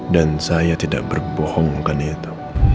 dan saya tidak berbohongkan itu